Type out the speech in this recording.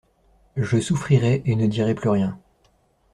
Je souffrirai, et ne dirai plus rien.